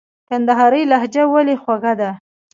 کندهارۍ لهجه ولي خوږه ده ؟